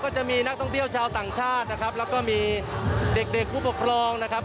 จะมีนักท่องเที่ยวชาวต่างชาตินะครับแล้วก็มีเด็กเด็กผู้ปกครองนะครับ